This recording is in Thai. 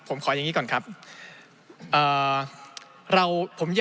ผมขออย่างนี้ก่อนครับ